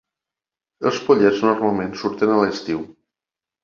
Els pollets normalment surten a l'estiu.